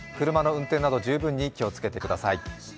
車の運転など十分に気をつけてください。